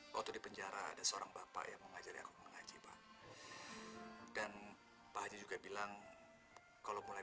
waktu di penjara ada seorang bapak yang mengajari aku mengajibkan dan bahasa juga bilang kalau mulai